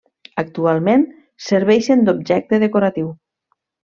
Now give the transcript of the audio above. Actualment serveixen d’objecte decoratiu.